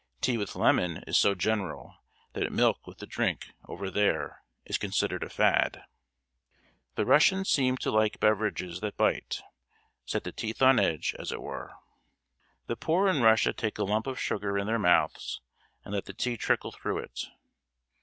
Tea with lemon is so general that milk with the drink, over there, is considered a fad. The Russians seem to like beverages that bite set the teeth on edge, as it were. The poor in Russia take a lump of sugar in their mouths and let the tea trickle through it.